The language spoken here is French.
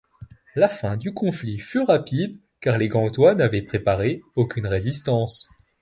La fin du conflit fut rapide car les Gantois n’avaient préparé aucune résistance.